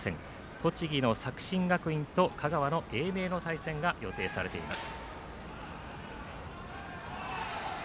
栃木の作新学院と香川の英明の対戦が予定されています。